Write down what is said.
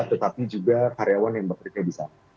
tetapi juga karyawan yang bekerja di sana